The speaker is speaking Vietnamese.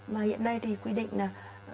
mà hiện nay thì quy định là